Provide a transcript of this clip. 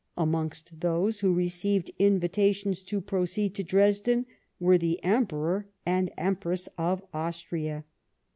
Amongst those who received invitations to proceed to Dresden were the Emperor and Empress of Austria.